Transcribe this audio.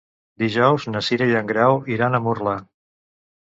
Dijous na Cira i en Grau iran a Murla.